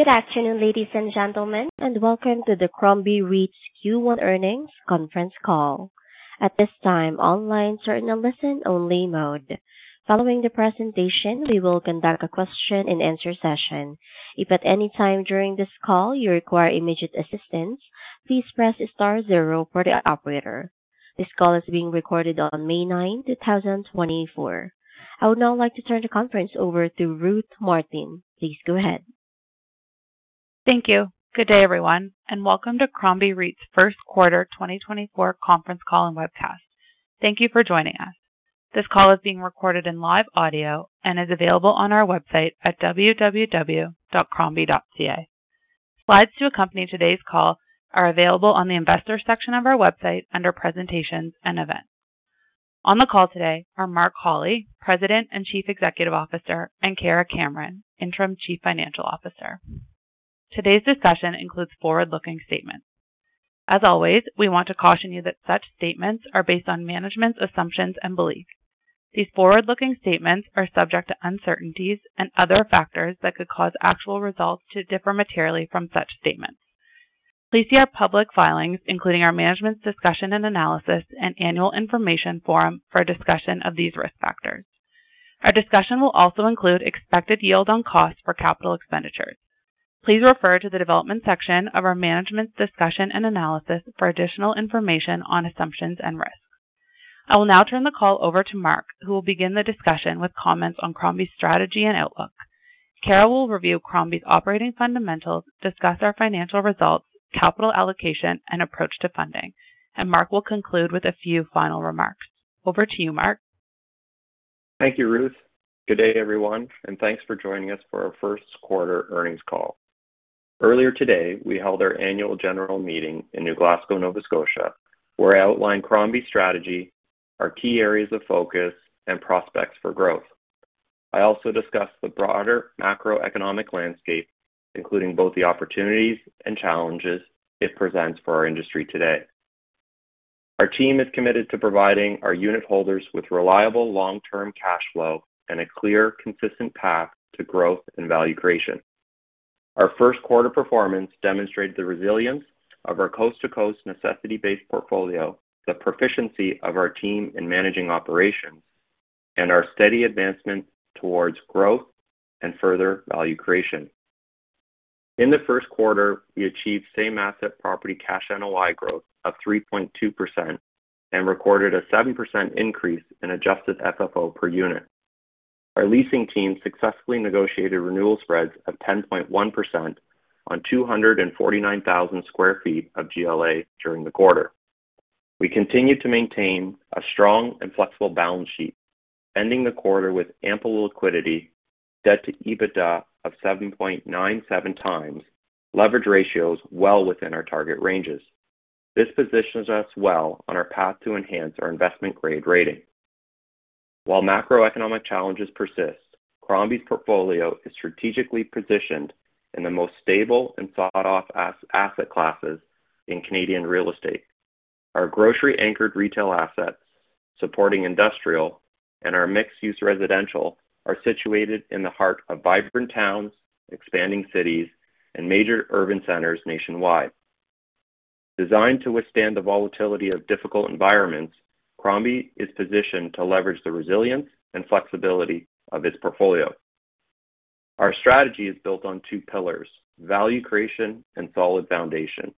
Good afternoon, ladies and gentlemen, and welcome to the Crombie REIT's Q1 Earnings Conference Call. At this time, listen-only mode. Following the presentation, we will conduct a question-and-answer session. If at any time during this call you require immediate assistance, please press star zero for the operator. This call is being recorded on May 9, 2024. I would now like to turn the conference over to Ruth Martin. Please go ahead. Thank you. Good day, everyone, and welcome to Crombie REIT's first quarter 2024 conference call and webcast. Thank you for joining us. This call is being recorded in live audio and is available on our website at www.crombie.ca. Slides to accompany today's call are available on the investor section of our website under Presentations and Events. On the call today are Mark Holly, President and Chief Executive Officer, and Kara Cameron, Interim Chief Financial Officer. Today's discussion includes forward-looking statements. As always, we want to caution you that such statements are based on management's assumptions and beliefs. These forward-looking statements are subject to uncertainties and other factors that could cause actual results to differ materially from such statements. Please see our public filings, including our management's discussion and analysis, and annual information form for a discussion of these risk factors. Our discussion will also include expected yield on costs for capital expenditures. Please refer to the development section of our management's discussion and analysis for additional information on assumptions and risks. I will now turn the call over to Mark, who will begin the discussion with comments on Crombie's strategy and outlook. Kara will review Crombie's operating fundamentals, discuss our financial results, capital allocation, and approach to funding, and Mark will conclude with a few final remarks. Over to you, Mark. Thank you, Ruth. Good day, everyone, and thanks for joining us for our first quarter earnings call. Earlier today, we held our annual general meeting in New Glasgow, Nova Scotia, where I outlined Crombie's strategy, our key areas of focus, and prospects for growth. I also discussed the broader macroeconomic landscape, including both the opportunities and challenges it presents for our industry today. Our team is committed to providing our unit holders with reliable long-term cash flow and a clear, consistent path to growth and value creation. Our first quarter performance demonstrated the resilience of our coast-to-coast necessity-based portfolio, the proficiency of our team in managing operations, and our steady advancement towards growth and further value creation. In the first quarter, we achieved Same-Asset Property Cash NOI growth of 3.2% and recorded a 7% increase in Adjusted FFO per unit. Our leasing team successfully negotiated renewal spreads of 10.1% on 249,000 sq ft of GLA during the quarter. We continue to maintain a strong and flexible balance sheet, ending the quarter with ample liquidity, Debt-to-EBITDA of 7.97 times, leverage ratios well within our target ranges. This positions us well on our path to enhance our investment-grade rating. While macroeconomic challenges persist, Crombie's portfolio is strategically positioned in the most stable and sought-after asset classes in Canadian real estate. Our grocery-anchored retail assets, supporting industrial, and our mixed-use residential are situated in the heart of vibrant towns, expanding cities, and major urban centers nationwide. Designed to withstand the volatility of difficult environments, Crombie is positioned to leverage the resilience and flexibility of its portfolio. Our strategy is built on two pillars: value creation and solid foundation.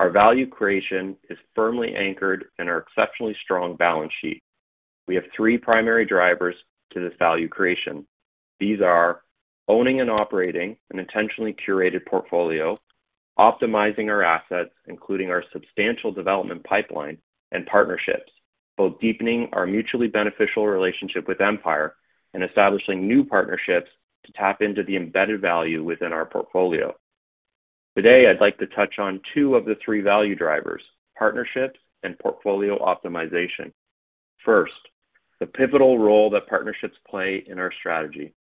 Our value creation is firmly anchored in our exceptionally strong balance sheet. We have three primary drivers to this value creation. These are: owning and operating an intentionally curated portfolio. Optimizing our assets, including our substantial development pipeline and partnerships. Both deepening our mutually beneficial relationship with Empire and establishing new partnerships to tap into the embedded value within our portfolio. Today, I'd like to touch on two of the three value drivers: partnerships and portfolio optimization. First, the pivotal role that partnerships play in our strategy.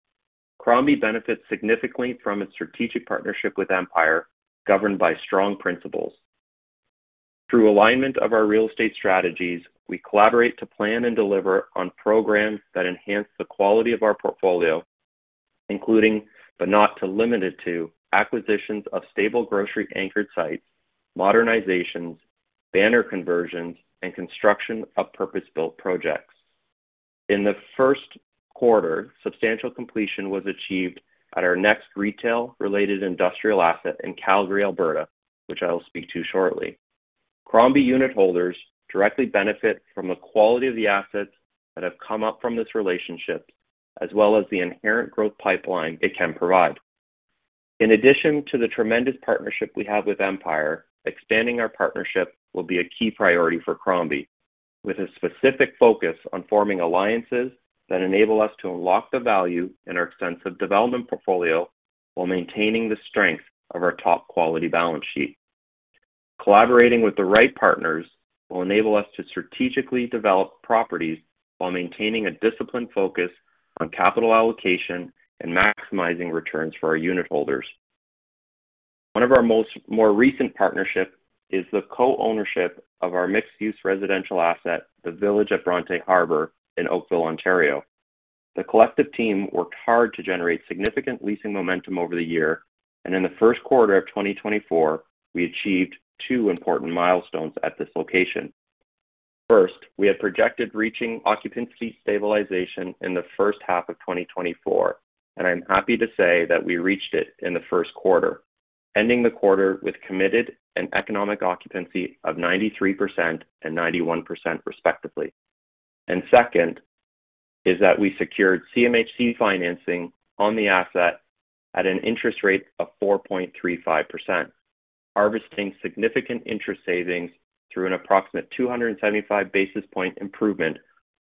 Crombie benefits significantly from its strategic partnership with Empire, governed by strong principles. Through alignment of our real estate strategies, we collaborate to plan and deliver on programs that enhance the quality of our portfolio, including but not limited to acquisitions of stable grocery-anchored sites, modernizations, banner conversions, and construction of purpose-built projects. In the first quarter, substantial completion was achieved at our next retail-related industrial asset in Calgary, Alberta, which I will speak to shortly. Crombie unit holders directly benefit from the quality of the assets that have come up from this relationship, as well as the inherent growth pipeline it can provide. In addition to the tremendous partnership we have with Empire, expanding our partnership will be a key priority for Crombie, with a specific focus on forming alliances that enable us to unlock the value in our extensive development portfolio while maintaining the strength of our top-quality balance sheet. Collaborating with the right partners will enable us to strategically develop properties while maintaining a disciplined focus on capital allocation and maximizing returns for our unit holders. One of our more recent partnerships is the co-ownership of our mixed-use residential asset, The Village at Bronte Harbour in Oakville, Ontario. The collective team worked hard to generate significant leasing momentum over the year, and in the first quarter of 2024, we achieved two important milestones at this location. First, we had projected reaching occupancy stabilization in the first half of 2024, and I'm happy to say that we reached it in the first quarter, ending the quarter with committed and economic occupancy of 93% and 91%, respectively. Second is that we secured CMHC financing on the asset at an interest rate of 4.35%, harvesting significant interest savings through an approximate 275 basis point improvement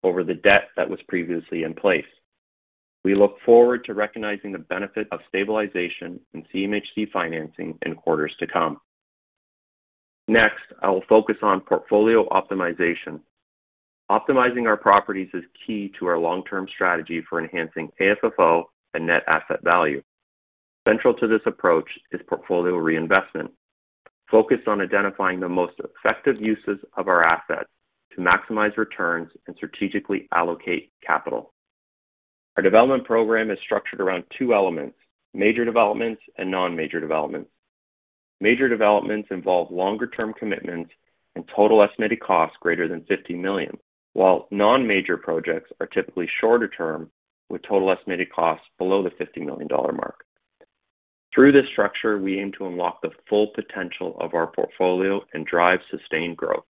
over the debt that was previously in place. We look forward to recognizing the benefits of stabilization and CMHC financing in quarters to come. Next, I will focus on portfolio optimization. Optimizing our properties is key to our long-term strategy for enhancing AFFO and net asset value. Central to this approach is portfolio reinvestment, focused on identifying the most effective uses of our assets to maximize returns and strategically allocate capital. Our development program is structured around two elements: major developments and non-major developments. Major developments involve longer-term commitments and total estimated costs greater than 50 million, while non-major projects are typically shorter-term with total estimated costs below the 50 million dollar mark. Through this structure, we aim to unlock the full potential of our portfolio and drive sustained growth.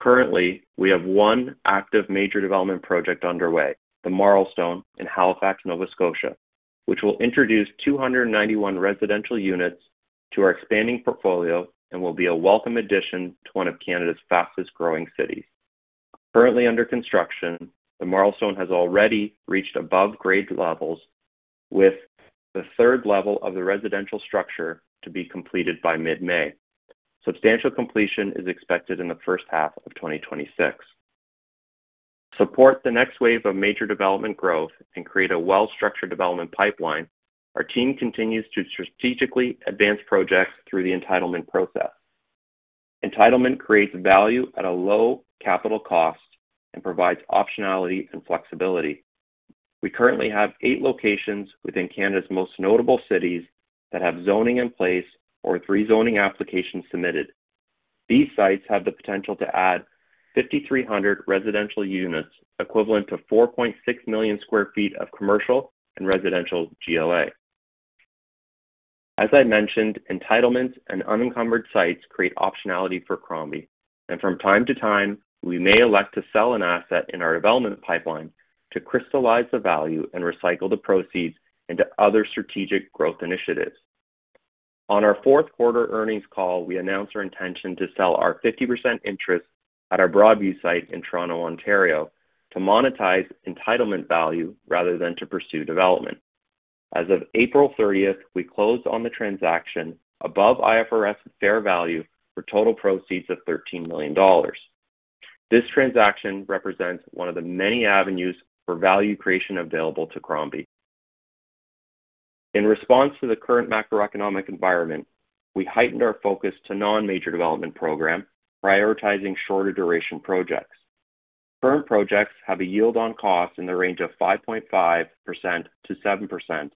Currently, we have one active major development project underway, The Marlstone in Halifax, Nova Scotia, which will introduce 291 residential units to our expanding portfolio and will be a welcome addition to one of Canada's fastest-growing cities. Currently under construction, The Marlstone has already reached above-grade levels, with the third level of the residential structure to be completed by mid-May. Substantial completion is expected in the first half of 2026. To support the next wave of major development growth and create a well-structured development pipeline, our team continues to strategically advance projects through the entitlement process. Entitlement creates value at a low capital cost and provides optionality and flexibility. We currently have eight locations within Canada's most notable cities that have zoning in place or three zoning applications submitted. These sites have the potential to add 5,300 residential units, equivalent to 4.6 million sq ft of commercial and residential GLA. As I mentioned, entitlements and unencumbered sites create optionality for Crombie, and from time to time, we may elect to sell an asset in our development pipeline to crystallize the value and recycle the proceeds into other strategic growth initiatives. On our fourth quarter earnings call, we announced our intention to sell our 50% interest at our Broadview site in Toronto, Ontario, to monetize entitlement value rather than to pursue development. As of April 30th, we closed on the transaction above IFRS fair value for total proceeds of 13 million dollars. This transaction represents one of the many avenues for value creation available to Crombie. In response to the current macroeconomic environment, we heightened our focus to the non-major development program, prioritizing shorter-duration projects. Current projects have a yield on costs in the range of 5.5%-7%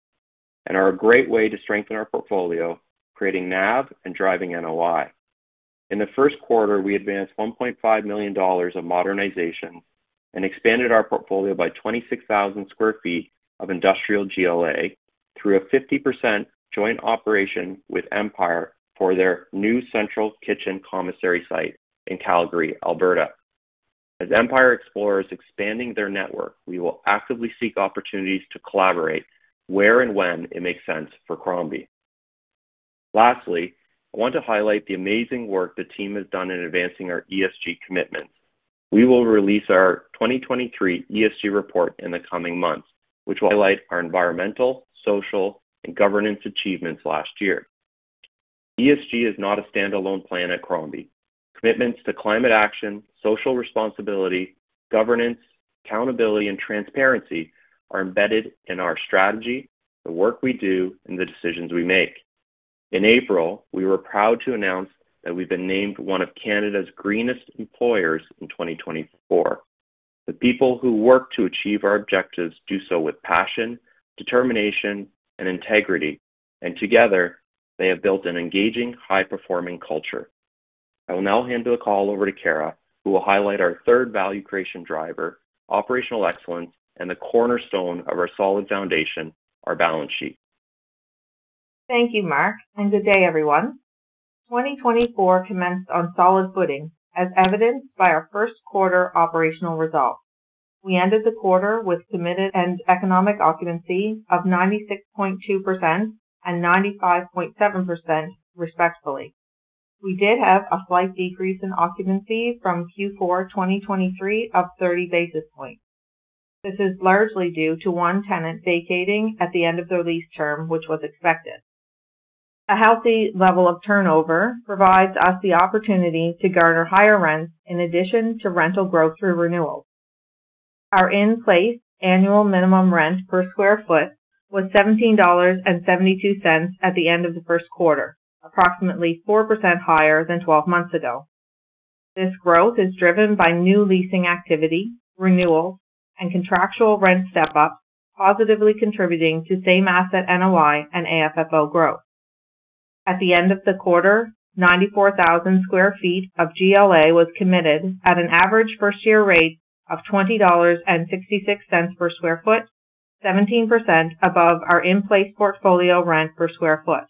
and are a great way to strengthen our portfolio, creating NAV and driving NOI. In the first quarter, we advanced 1.5 million dollars of modernization and expanded our portfolio by 26,000 sq ft of industrial GLA through a 50% joint operation with Empire for their new central kitchen commissary site in Calgary, Alberta. As Empire explores expanding their network, we will actively seek opportunities to collaborate where and when it makes sense for Crombie. Lastly, I want to highlight the amazing work the team has done in advancing our ESG commitments. We will release our 2023 ESG report in the coming months, which will highlight our environmental, social, and governance achievements last year. ESG is not a standalone plan at Crombie. Commitments to climate action, social responsibility, governance, accountability, and transparency are embedded in our strategy, the work we do, and the decisions we make. In April, we were proud to announce that we've been named one of Canada's Greenest Employers in 2024. The people who work to achieve our objectives do so with passion, determination, and integrity, and together, they have built an engaging, high-performing culture. I will now hand the call over to Kara, who will highlight our third value creation driver, operational excellence, and the cornerstone of our solid foundation, our balance sheet. Thank you, Mark, and good day, everyone. 2024 commenced on solid footing, as evidenced by our first quarter operational results. We ended the quarter with committed and economic occupancy of 96.2% and 95.7%, respectively. We did have a slight decrease in occupancy from Q4 2023 of 30 basis points. This is largely due to one tenant vacating at the end of their lease term, which was expected. A healthy level of turnover provides us the opportunity to garner higher rents in addition to rental growth through renewals. Our in-place annual minimum rent per sq ft was 17.72 dollars at the end of the first quarter, approximately 4% higher than 12 months ago. This growth is driven by new leasing activity, renewals, and contractual rent step-ups, positively contributing to Same-Asset NOI and AFFO growth. At the end of the quarter, 94,000 sq ft of GLA was committed at an average first-year rate of 20.66 dollars per sq ft, 17% above our in-place portfolio rent per sq ft.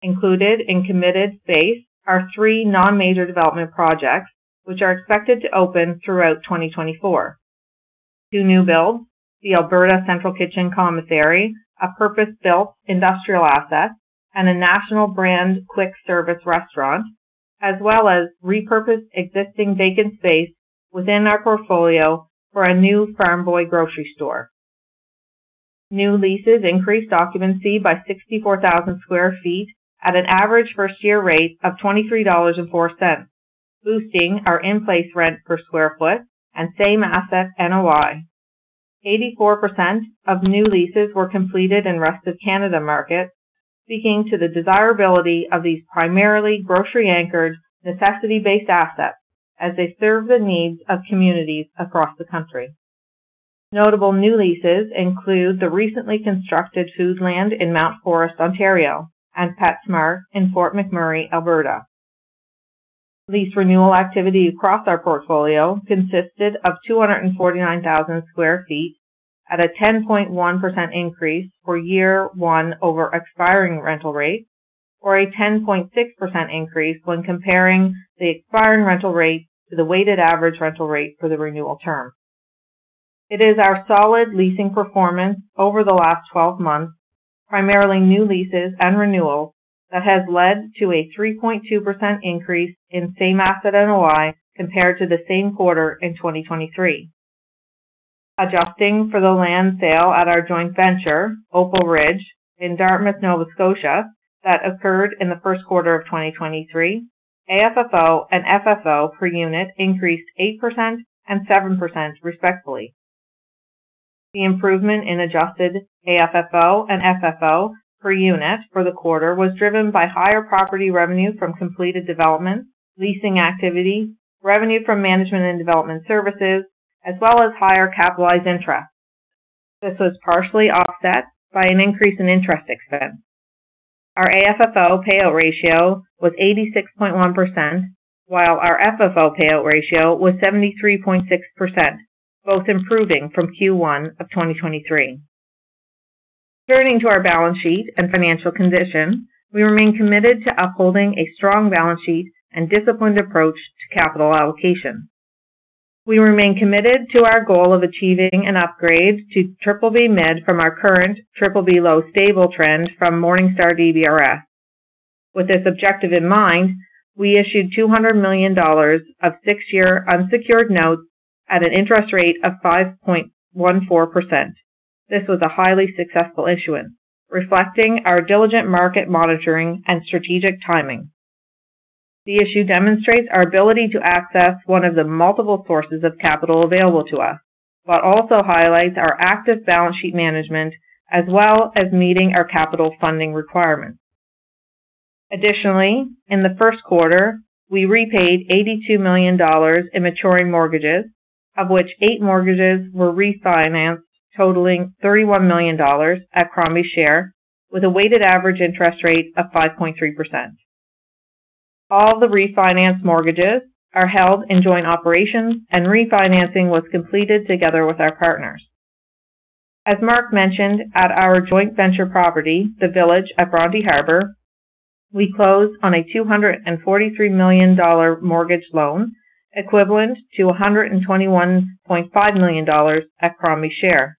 Included in committed space are three non-major development projects, which are expected to open throughout 2024: two new builds, the Alberta Central Kitchen Commissary, a purpose-built industrial asset, and a national-brand quick-service restaurant, as well as repurposed existing vacant space within our portfolio for a new Farm Boy grocery store. New leases increased occupancy by 64,000 sq ft at an average first-year rate of 23.04 dollars, boosting our in-place rent per sq ft and same-asset NOI. 84% of new leases were completed in Rest of Canada markets, speaking to the desirability of these primarily grocery-anchored, necessity-based assets as they serve the needs of communities across the country. Notable new leases include the recently constructed Foodland in Mount Forest, Ontario, and PetSmart in Fort McMurray, Alberta. Lease renewal activity across our portfolio consisted of 249,000 sq ft at a 10.1% increase for year one over expiring rental rates, or a 10.6% increase when comparing the expiring rental rate to the weighted average rental rate for the renewal term. It is our solid leasing performance over the last 12 months, primarily new leases and renewals, that has led to a 3.2% increase in same-asset NOI compared to the same quarter in 2023. Adjusting for the land sale at our joint venture, Opal Ridge, in Dartmouth, Nova Scotia, that occurred in the first quarter of 2023, AFFO and FFO per unit increased 8% and 7%, respectively. The improvement in Adjusted AFFO and FFO per unit for the quarter was driven by higher property revenue from completed development, leasing activity, revenue from management and development services, as well as higher capitalized interest. This was partially offset by an increase in interest expense. Our AFFO payout ratio was 86.1%, while our FFO payout ratio was 73.6%, both improving from Q1 of 2023. Returning to our balance sheet and financial condition, we remain committed to upholding a strong balance sheet and disciplined approach to capital allocation. We remain committed to our goal of achieving an upgrade to BBB mid from our current BBB low stable trend from Morningstar DBRS. With this objective in mind, we issued 200 million dollars of six-year unsecured notes at an interest rate of 5.14%. This was a highly successful issuance, reflecting our diligent market monitoring and strategic timing. The issue demonstrates our ability to access one of the multiple sources of capital available to us, but also highlights our active balance sheet management as well as meeting our capital funding requirements. Additionally, in the first quarter, we repaid 82 million dollars in maturing mortgages, of which eight mortgages were refinanced, totaling 31 million dollars at Crombie Share, with a weighted average interest rate of 5.3%. All the refinanced mortgages are held in joint operations, and refinancing was completed together with our partners. As Mark mentioned, at our joint venture property, the Village at Bronte Harbour, we closed on a 243 million dollar mortgage loan, equivalent to 121.5 million dollars at Crombie Share.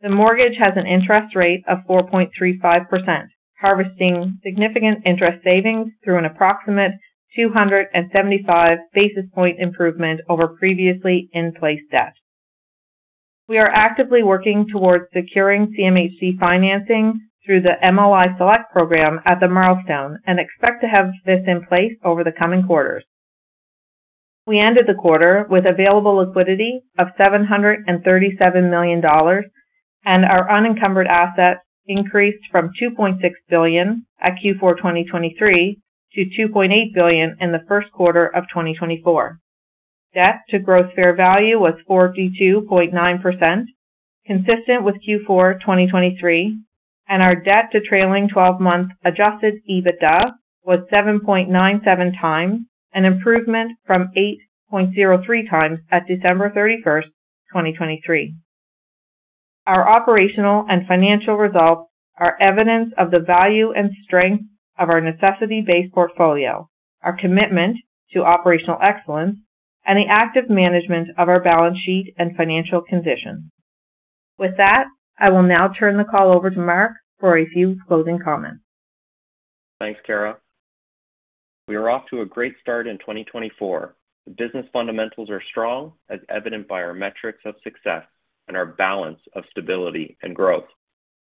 The mortgage has an interest rate of 4.35%, harvesting significant interest savings through an approximate 275 basis points improvement over previously in-place debt. We are actively working towards securing CMHC financing through the MLI Select program at The Marlstone and expect to have this in place over the coming quarters. We ended the quarter with available liquidity of 737 million dollars and our unencumbered assets increased from 2.6 billion at Q4 2023 to 2.8 billion in the first quarter of 2024. Debt to Gross Fair Value was 42.9%, consistent with Q4 2023, and our debt-to-trailing 12-month Adjusted EBITDA was 7.97x, an improvement from 8.03x at December 31st, 2023. Our operational and financial results are evidence of the value and strength of our necessity-based portfolio, our commitment to operational excellence, and the active management of our balance sheet and financial conditions. With that, I will now turn the call over to Mark for a few closing comments. Thanks, Kara. We are off to a great start in 2024. The business fundamentals are strong, as evident by our metrics of success and our balance of stability and growth.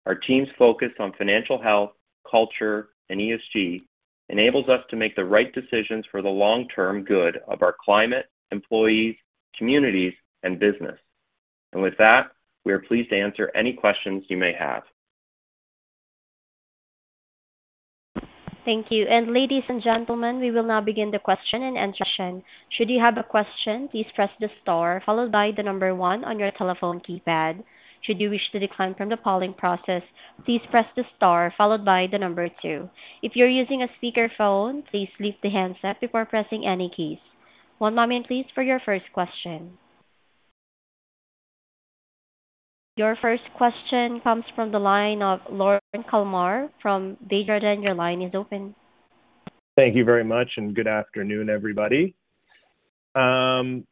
Our team's focus on financial health, culture, and ESG enables us to make the right decisions for the long-term good of our climate, employees, communities, and business. With that, we are pleased to answer any questions you may have. Thank you. Ladies and gentlemen, we will now begin the question and answer session. Should you have a question, please press the star followed by the number 1 on your telephone keypad. Should you wish to decline from the polling process, please press the star followed by the number 2. If you're using a speakerphone, please leave the handset before pressing any keys. One moment, please, for your first question. Your first question comes from the line of Lorne Kalmar from Desjardins. Your line is open. Thank you very much, and good afternoon, everybody. On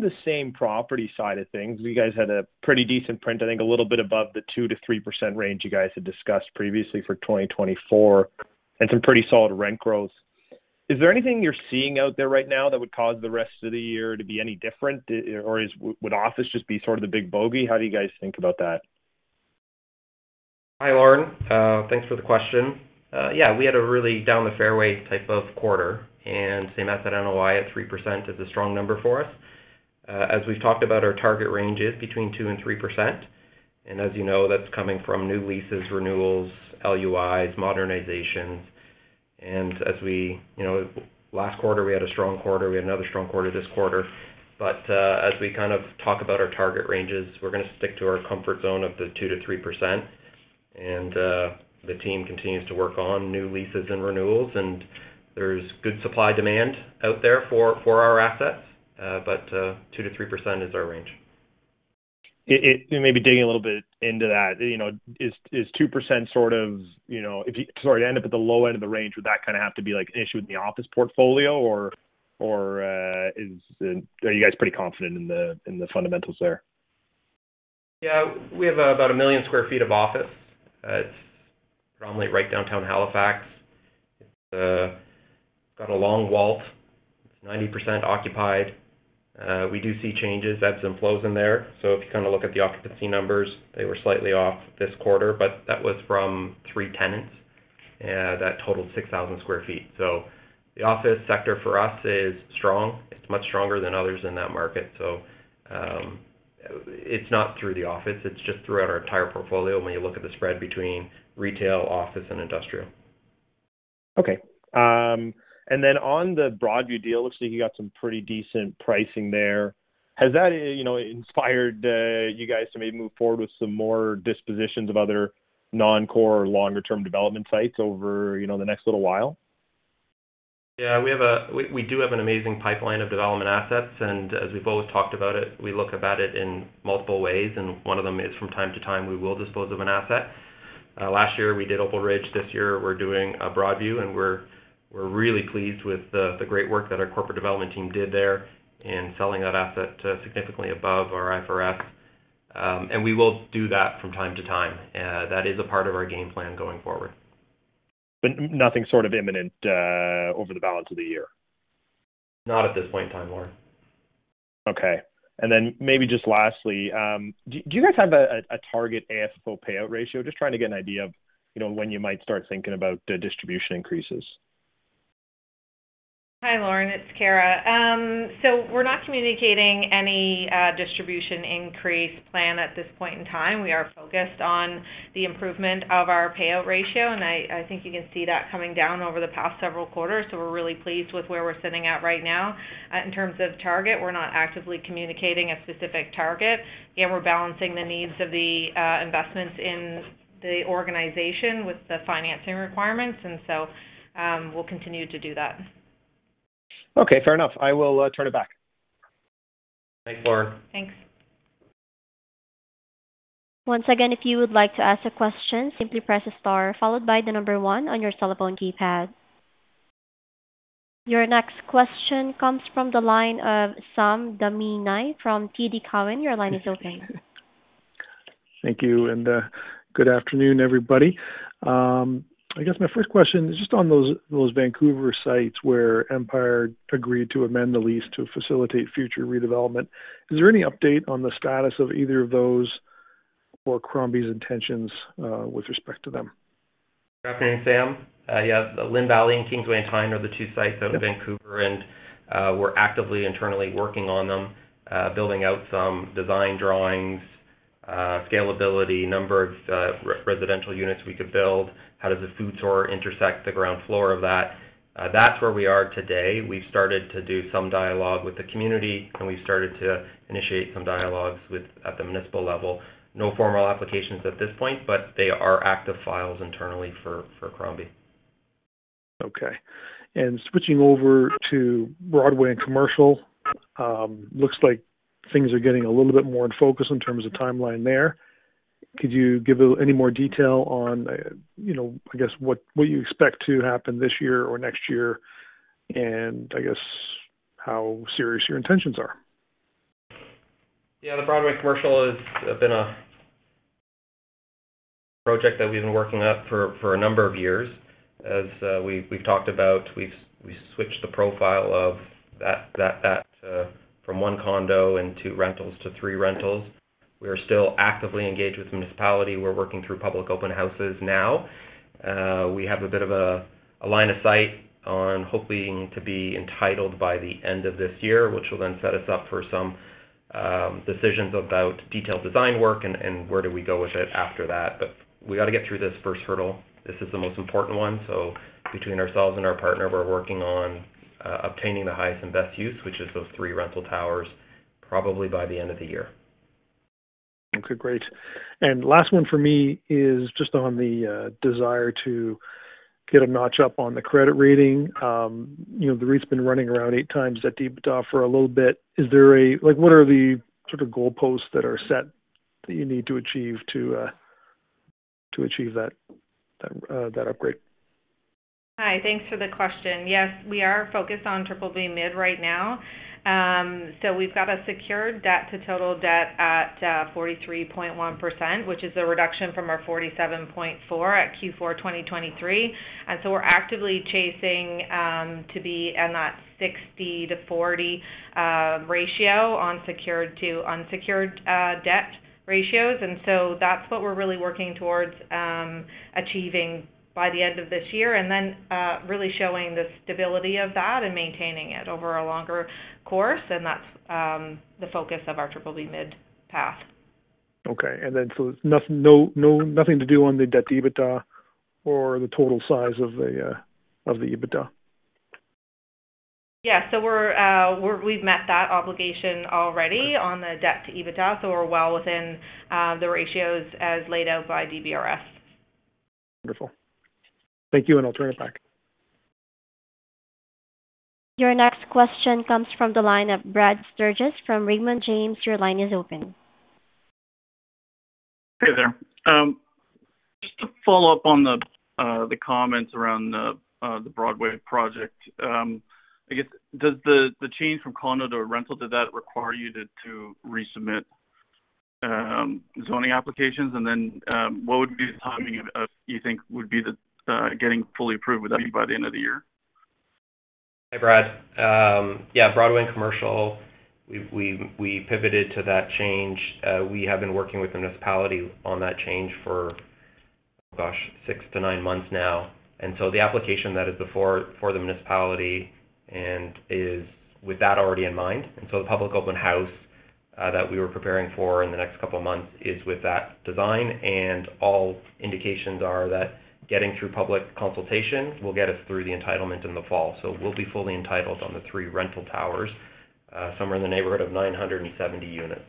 the same property side of things, you guys had a pretty decent print, I think a little bit above the 2%-3% range you guys had discussed previously for 2024 and some pretty solid rent growth. Is there anything you're seeing out there right now that would cause the rest of the year to be any different, or would office just be sort of the big bogey? How do you guys think about that? Hi, Lorne. Thanks for the question. Yeah, we had a really down-the-fairway type of quarter, and same-asset NOI at 3% is a strong number for us. As we've talked about, our target range is between 2% and 3%. And as you know, that's coming from new leases, renewals, LUIs, modernizations. And as we last quarter, we had a strong quarter. We had another strong quarter this quarter. But as we kind of talk about our target ranges, we're going to stick to our comfort zone of the 2%-3%. And the team continues to work on new leases and renewals, and there's good supply-demand out there for our assets, but 2%-3% is our range. Maybe digging a little bit into that, is 2% sort of sorry, to end up at the low end of the range, would that kind of have to be an issue with the office portfolio, or are you guys pretty confident in the fundamentals there? Yeah, we have about 1 million sq ft of office. It's predominantly right downtown Halifax. It's got a long WALT. It's 90% occupied. We do see changes, ebbs and flows in there. So if you kind of look at the occupancy numbers, they were slightly off this quarter, but that was from three tenants. That totaled 6,000 sq ft. So the office sector for us is strong. It's much stronger than others in that market. So it's not through the office. It's just throughout our entire portfolio when you look at the spread between retail, office, and industrial. Okay. And then on the Broadview deal, it looks like you got some pretty decent pricing there. Has that inspired you guys to maybe move forward with some more dispositions of other non-core or longer-term development sites over the next little while? Yeah, we do have an amazing pipeline of development assets. As we've always talked about it, we look at it in multiple ways. One of them is from time to time, we will dispose of an asset. Last year, we did Opal Ridge. This year, we're doing a Broadview, and we're really pleased with the great work that our corporate development team did there in selling that asset significantly above our IFRS. We will do that from time to time. That is a part of our game plan going forward. Nothing sort of imminent over the balance of the year? Not at this point in time, Lorne. Okay. And then maybe just lastly, do you guys have a target AFFO payout ratio? Just trying to get an idea of when you might start thinking about distribution increases. Hi, Lorne. It's Kara. So we're not communicating any distribution increase plan at this point in time. We are focused on the improvement of our payout ratio, and I think you can see that coming down over the past several quarters. So we're really pleased with where we're sitting at right now. In terms of target, we're not actively communicating a specific target. Again, we're balancing the needs of the investments in the organization with the financing requirements, and so we'll continue to do that. Okay. Fair enough. I will turn it back. Thanks, Lorne. Thanks. Once again, if you would like to ask a question, simply press a star followed by the number 1 on your telephone keypad. Your next question comes from the line of Sam Damiani from TD Cowen. Your line is open. Thank you. Good afternoon, everybody. I guess my first question is just on those Vancouver sites where Empire agreed to amend the lease to facilitate future redevelopment. Is there any update on the status of either of those or Crombie's intentions with respect to them? Good afternoon, Sam. Yeah, Lynn Valley and Kingsway & Tyne are the two sites out of Vancouver, and we're actively internally working on them, building out some design drawings, scalability, number of residential units we could build, how does the food store intersect the ground floor of that? That's where we are today. We've started to do some dialog with the community, and we've started to initiate some dialogs at the municipal level. No formal applications at this point, but they are active files internally for Crombie. Okay. And switching over to Broadway & Commercial, looks like things are getting a little bit more in focus in terms of timeline there. Could you give any more detail on, I guess, what you expect to happen this year or next year and, I guess, how serious your intentions are? Yeah, the Broadway & Commercial has been a project that we've been working on for a number of years. As we've talked about, we switched the profile of that from one condo into rentals to three rentals. We are still actively engaged with the municipality. We're working through public open houses now. We have a bit of a line of sight on hoping to be entitled by the end of this year, which will then set us up for some decisions about detailed design work and where do we go with it after that. But we got to get through this first hurdle. This is the most important one. So between ourselves and our partner, we're working on obtaining the highest and best use, which is those three rental towers, probably by the end of the year. Okay. Great. And last one for me is just on the desire to get a notch up on the credit rating. The REIT's been running around 8x that EBITDA for a little bit. What are the sort of goalposts that are set that you need to achieve to achieve that upgrade? Hi. Thanks for the question. Yes, we are focused on BBB mid right now. So we've got a secured debt-to-total debt at 43.1%, which is a reduction from our 47.4% at Q4 2023. And so we're actively chasing to be in that 60-40 ratio on secured-to-unsecured debt ratios. And so that's what we're really working towards achieving by the end of this year and then really showing the stability of that and maintaining it over a longer course. And that's the focus of our BBB mid path. Okay. And then so nothing to do on the debt EBITDA or the total size of the EBITDA? Yeah. So we've met that obligation already on the Debt-to-EBITDA, so we're well within the ratios as laid out by DBRS. Wonderful. Thank you, and I'll turn it back. Your next question comes from the line of Brad Sturges from Raymond James. Your line is open. Hey there. Just to follow up on the comments around the Broadway project, I guess, does the change from condo to rental, does that require you to resubmit zoning applications? And then what would be the timing of, you think, would be getting fully approved? Would that be by the end of the year? Hi, Brad. Yeah, Broadway & Commercial, we pivoted to that change. We have been working with the municipality on that change for, gosh, 6-9 months now. The application that is before the municipality and is with that already in mind. The public open house that we were preparing for in the next couple of months is with that design. All indications are that getting through public consultation will get us through the entitlement in the fall. We'll be fully entitled on the 3 rental towers, somewhere in the neighborhood of 970 units.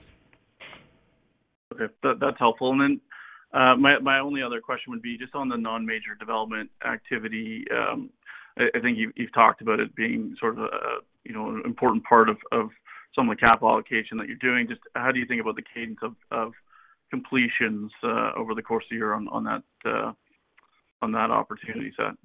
Okay. That's helpful. And then my only other question would be just on the non-major development activity. I think you've talked about it being sort of an important part of some of the capital allocation that you're doing. Just how do you think about the cadence of completions over the course of the year on that opportunity set?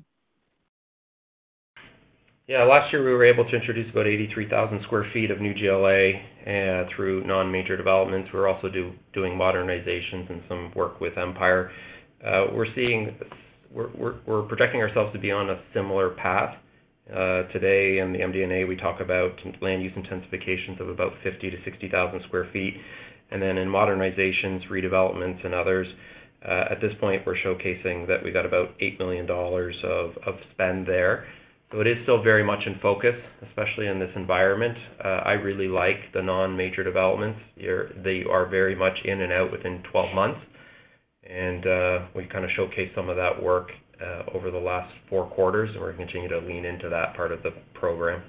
Yeah, last year, we were able to introduce about 83,000 sq ft of new GLA through non-major developments. We're also doing modernizations and some work with Empire. We're projecting ourselves to be on a similar path. Today in the MD&A, we talk about land use intensifications of about 50,000-60,000 sq ft. And then in modernizations, redevelopments, and others, at this point, we're showcasing that we got about 8 million dollars of spend there. So it is still very much in focus, especially in this environment. I really like the non-major developments. They are very much in and out within 12 months. And we kind of showcased some of that work over the last four quarters, and we're going to continue to lean into that part of the program.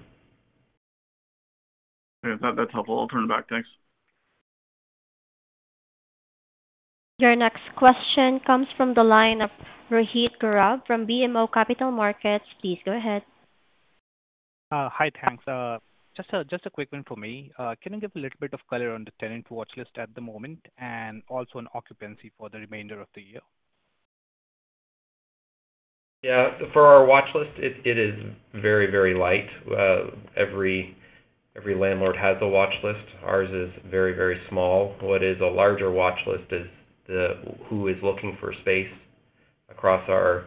Okay. That's helpful. I'll turn it back. Thanks. Your next question comes from the line of Rohit Gaurav from BMO Capital Markets. Please go ahead. Hi. Thanks. Just a quick one from me. Can you give a little bit of color on the tenant watchlist at the moment and also an occupancy for the remainder of the year? Yeah, for our watchlist, it is very, very light. Every landlord has a watchlist. Ours is very, very small. What is a larger watchlist is who is looking for space across our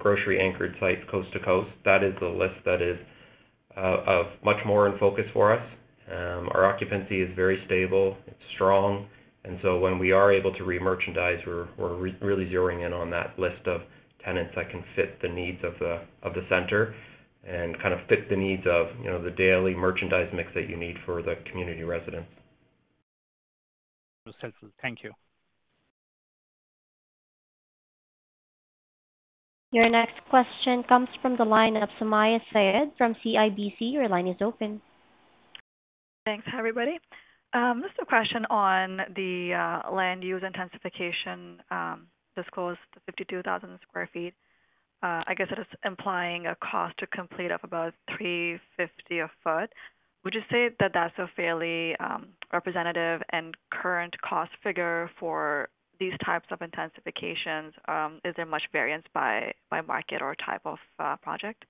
grocery-anchored sites coast to coast. That is a list that is much more in focus for us. Our occupancy is very stable. It's strong. And so when we are able to remerchandise, we're really zeroing in on that list of tenants that can fit the needs of the center and kind of fit the needs of the daily merchandise mix that you need for the community residents. That was helpful. Thank you. Your next question comes from the line of Sumayya Syed from CIBC. Your line is open. Thanks, everybody. Just a question on the land use intensification disclosed, the 52,000 sq ft. I guess it is implying a cost to complete of about 350 a foot. Would you say that that's a fairly representative and current cost figure for these types of intensifications? Is there much variance by market or type of project?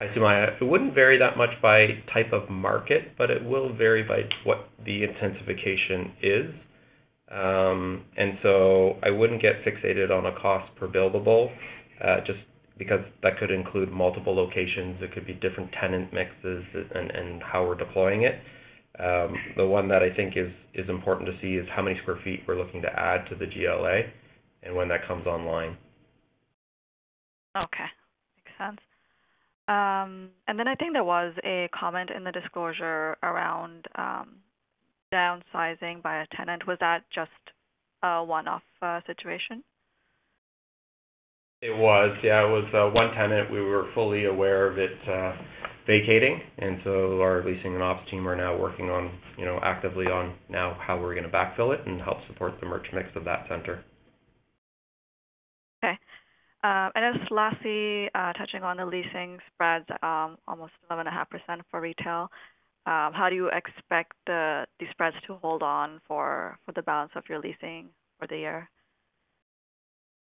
Hi, Sumayya. It wouldn't vary that much by type of market, but it will vary by what the intensification is. And so I wouldn't get fixated on a cost per buildable just because that could include multiple locations. It could be different tenant mixes and how we're deploying it. The one that I think is important to see is how many square feet we're looking to add to the GLA and when that comes online. Okay. Makes sense. And then I think there was a comment in the disclosure around downsizing by a tenant. Was that just a one-off situation? It was. Yeah, it was one tenant. We were fully aware of it vacating. And so our leasing and ops team are now working actively on now how we're going to backfill it and help support the merch mix of that center. Okay. Just lastly, touching on the leasing spreads, almost 11.5% for retail. How do you expect these spreads to hold on for the balance of your leasing for the year?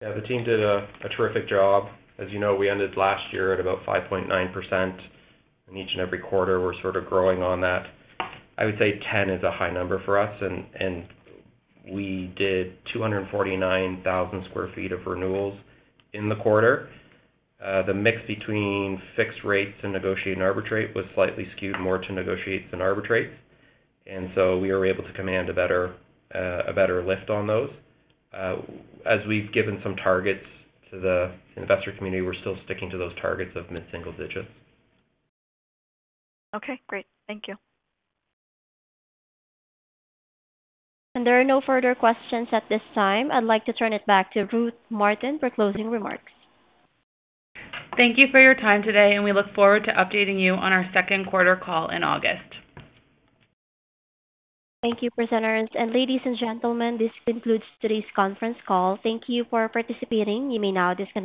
Yeah, the team did a terrific job. As you know, we ended last year at about 5.9%. And each and every quarter, we're sort of growing on that. I would say 10 is a high number for us. And we did 249,000 sq ft of renewals in the quarter. The mix between fixed rates and negotiated rates was slightly skewed more to negotiated rates. And so we were able to command a better lift on those. As we've given some targets to the investor community, we're still sticking to those targets of mid-single digits. Okay. Great. Thank you. There are no further questions at this time. I'd like to turn it back to Ruth Martin for closing remarks. Thank you for your time today, and we look forward to updating you on our second quarter call in August. Thank you, presenters. Ladies and gentlemen, this concludes today's conference call. Thank you for participating. You may now disconnect.